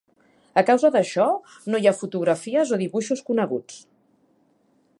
A causa d'això, no hi ha fotografies o dibuixos coneguts.